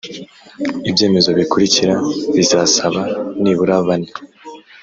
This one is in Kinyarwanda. ibyemezo bikurikira bizasaba nibura bane